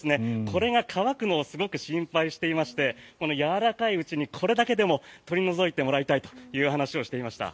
これが乾くのをすごく心配していましてやわらかいうちにこれだけでも取り除いてもらいたいという話をしていました。